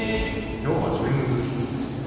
きょうはちょいむず。